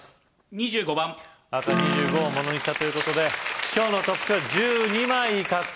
２５番赤２５をものにしたということで今日のトップ賞は１２枚獲得